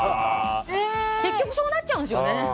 結局、そうなっちゃうんですよね。